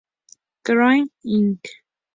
Cray Inc.